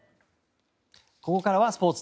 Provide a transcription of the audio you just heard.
ここからはスポーツ。